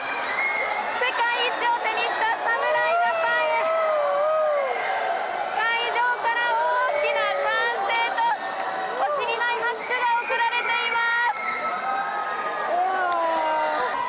世界一を手にした侍ジャパンへ会場から大きな歓声と惜しみない拍手が送られています。